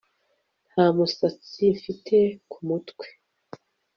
Nta musatsi mfite ku mutwe